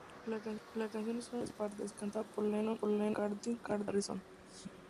La canción es una armonía en tres partes, cantada por Lennon, McCartney, y Harrison.